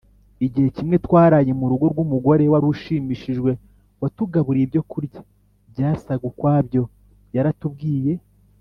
Igihe kimwe twaraye mu rugo rw umugore wari ushimishijwe watugaburiye ibyokurya byasaga ukwabyo Yaratubwiye